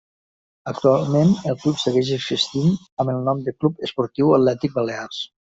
Actualment el club segueix existint amb el nom de Club Esportiu Atlètic Balears.